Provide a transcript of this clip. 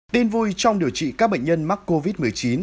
tin vui trong điều trị các bệnh nhân mắc covid một mươi chín